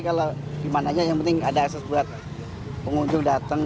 kalau di mana aja yang penting ada aset buat pengunjung datang